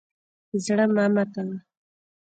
زړه مه ماتوه.